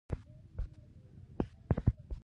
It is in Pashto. هر ماښام او ماخوستن به ما په سلګونو واره.